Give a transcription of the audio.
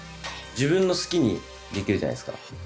自分の好きにできるじゃないですか。